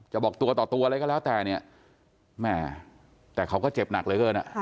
บอกตัวต่อตัวอะไรก็แล้วแต่เนี่ยแม่แต่เขาก็เจ็บหนักเหลือเกิน